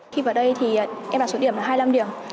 khi vào đây thì em đạt số điểm là hai mươi năm điểm